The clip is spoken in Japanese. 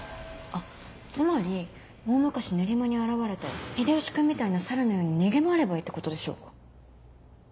あっつまり大昔練馬に現れた秀吉君みたいな猿のように逃げ回ればいいってことでしょうか？